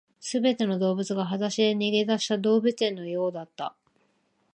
全ての動物が裸足で逃げ出した動物園のようだった